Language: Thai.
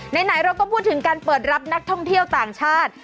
ไหนเราก็พูดถึงการเปิดรับนักท่องเที่ยวต่างชาติ